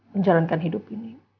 menjalankan hidup ini